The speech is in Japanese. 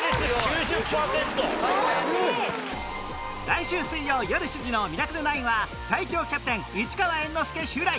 来週水曜よる７時の『ミラクル９』は最強キャプテン市川猿之助襲来！